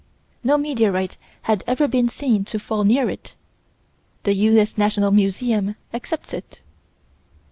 No meteorite had ever been seen to fall near it. The U.S. National Museum accepts it.